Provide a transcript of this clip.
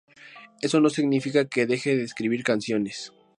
Eso no significa que deje de escribir canciones.